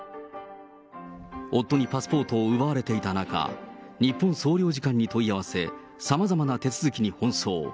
夫にパスポートを奪われていた中、日本総領事館に問い合わせ、さまざまな手続きに奔走。